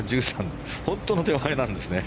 本当の手前なんですね。